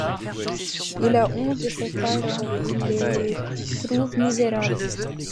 Il a honte de ses parents et il les trouve misérables.